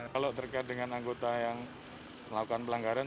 kalau terkait dengan anggota yang melakukan pelanggaran